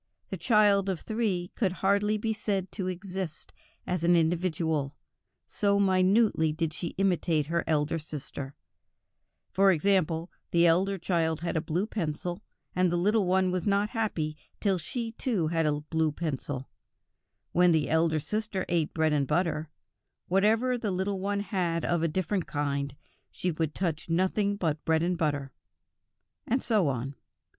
The child of three could hardly be said to exist as an individual, so minutely did she imitate her elder sister; for example, the elder child had a blue pencil and the little one was not happy till she too had a blue pencil; when the elder sister ate bread and butter, whatever the little one had of a different kind, she would touch nothing but bread and butter, and so on.